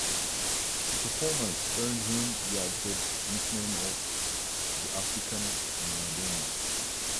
The performance earned him the added nickname of "The African Maradona".